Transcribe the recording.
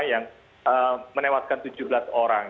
yang menewaskan tujuh belas orang